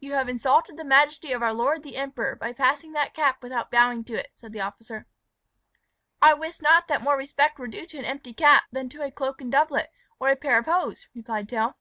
"You have insulted the majesty of our lord the Emperor by passing that cap without bowing to it," said the officer. "I wist not that more respect were due to an empty cap, than to a cloak and doublet, or a pair of hose," replied Tell.